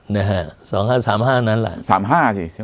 นะฮะ๒๕๓๕นั้นแหละ